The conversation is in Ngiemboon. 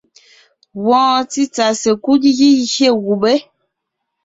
Wɔɔn títsà sekúd gígié gubé.